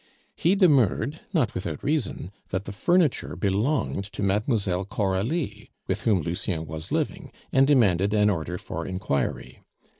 He demurred, not without reason, that the furniture belonged to Mlle. Coralie, with whom Lucien was living, and demanded an order for inquiry.